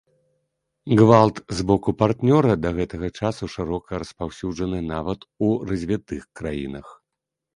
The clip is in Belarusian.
Гвалт з боку партнёра да гэтага часу шырока распаўсюджаны нават у развітых краінах.